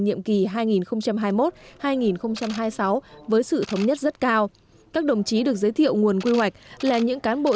nhiệm kỳ hai nghìn hai mươi một hai nghìn hai mươi sáu với sự thống nhất rất cao các đồng chí được giới thiệu nguồn quy hoạch là những cán bộ